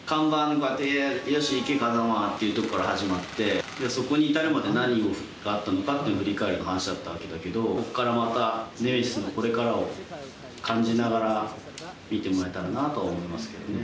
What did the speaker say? こうやって「よし行け風真」っていうとこから始まってそこに至るまで何があったのかっていう話だったわけだけどこっからまたネメシスのこれからを感じながら見てもらえたらなと思いますけどね。